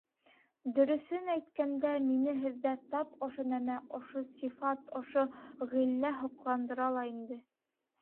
Дөрөҫөн әйткәндә, мине һеҙҙә тап ошо нәмә ошо сифат, ошо ғиллә һоҡландыра ла инде.